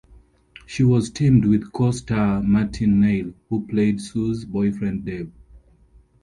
She was teamed with co-star Martin Neil, who played Sue's boyfriend Dave.